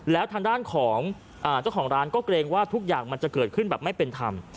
แล้วทางด้านของเจ้าของร้านก็เกรงว่าทุกอย่างมันจะเกิดขึ้นแบบไม่เป็นธรรม